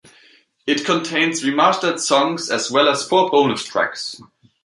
It contains remastered songs, as well as four bonus tracks.